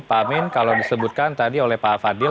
pak amin kalau disebutkan tadi oleh pak fadil